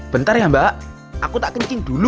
bentar ya mbak aku tak kencing dulu